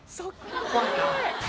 怖いな。